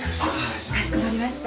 かしこまりました。